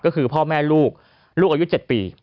ก็คือพ่อแม่ลูกลูกอายุ๗ปี